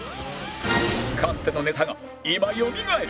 かつてのネタが今よみがえる